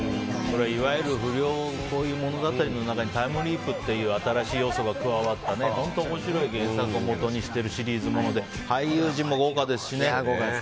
いわゆる不良物語の中にタイムリープという新しい要素が加わった本当に面白い原作をもとにしてるシリーズもので俳優陣も豪華ですしね。